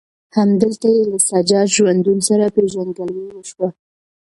همدلته یې له سجاد ژوندون سره پېژندګلوي وشوه.